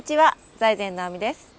財前直見です。